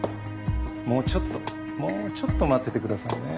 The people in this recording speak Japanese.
もうちょっともうちょっと待っててくださいね。